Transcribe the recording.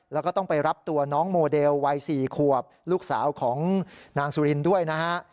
แล้วก็ต้องไปรับตัวน้องโมเดลวัย๔ขวบลูกสาวของนางสุรินด้วยนะฮะ